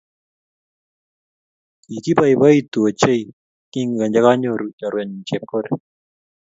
Kikiboiboitu ochei kinganyoru chorwenyu chepkorir